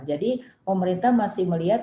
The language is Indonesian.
jadi pemerintah masih melihat